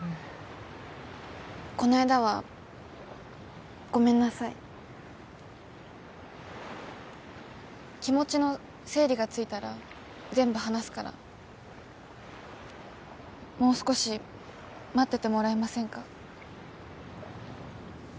こないだはごめんなさい気持ちの整理がついたら全部話すからもう少し待っててもらえませんか？